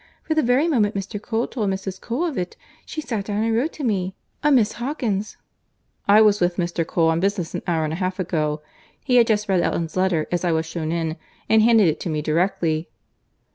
for the very moment Mr. Cole told Mrs. Cole of it, she sat down and wrote to me. A Miss Hawkins—" "I was with Mr. Cole on business an hour and a half ago. He had just read Elton's letter as I was shewn in, and handed it to me directly."